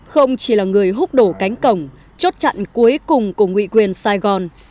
không chỉ là người hút đổ cánh cổng chốt trận cuối cùng của nguyện quyền sài gòn